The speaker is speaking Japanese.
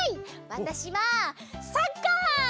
わたしはサッカー！